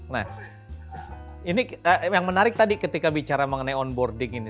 nah ini yang menarik tadi ketika bicara mengenai onboarding ini